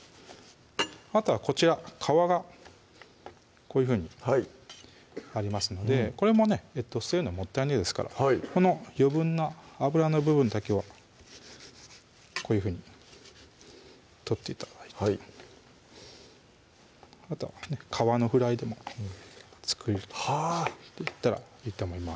あとはこちら皮がこういうふうにありますのでこれもね捨てるのもったいないですからこの余分な脂の部分だけはこういうふうに取って頂いてはいあとは皮のフライでも作っていったらいいと思います